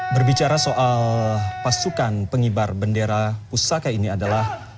berbicara soal pasukan pengibar bendera pusaka ini adalah